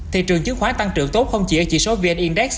thị trường chứng khoán tăng trưởng tốt không chỉ ở chỉ số vnin